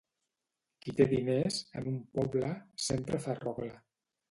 Qui té diners, en un poble, sempre fa rogle